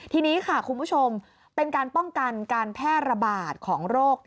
ทีนี้ค่ะคุณผู้ชมเป็นการป้องกันการแพร่ระบาดของโรค